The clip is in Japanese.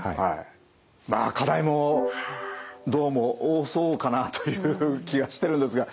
まあ課題もどうも多そうかなという気がしてるんですが。